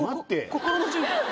心の準備。